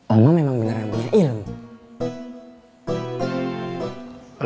allah memang beneran punya ilmu